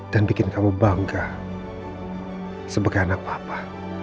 dan bikin kamu bangga sebagai anak papa